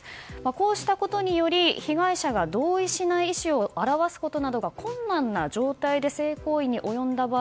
こうしたことにより被害者が同意しない意思を表すことなどが困難な状態で性行為に及んだ場合